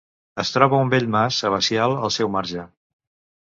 Es troba un vell mas abacial al seu marge.